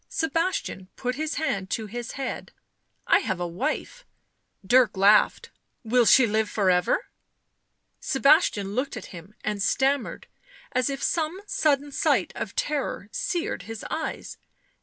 Sebastian put his hand to his head. " I have a wife." Dirk laughed. " Will she live for ever?" Sebastian looked at him and stammered, as if some sudden sight of terror seared his eyes.